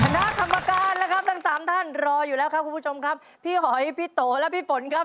ณคำประการตั้ง๓ท่านรออยู่แล้วครับคุณผู้ชมพี่หอยพี่โตและพี่ฝนครับ